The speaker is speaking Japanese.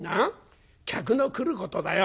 客の来ることだよ」。